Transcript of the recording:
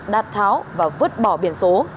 đạt tháo và vứt bỏ biển số